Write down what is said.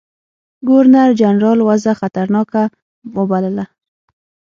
ګورنرجنرال وضع خطرناکه وبلله.